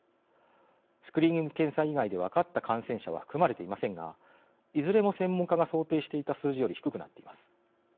スクリーニング検査以外で分かった感染者は含まれていませんがいずれも専門家が想定していた数字より低くなっています。